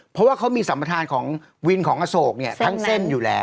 เพราะว่าเขามีสัมปัติธรรมของวินของอโศกทั้งเส้นอยู่แล้ว